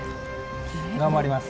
頑張ります。